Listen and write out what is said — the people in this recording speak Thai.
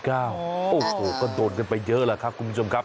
โอ้โหก็โดนกันไปเยอะแหละครับคุณผู้ชมครับ